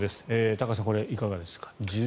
高橋さんこれはいかがですか。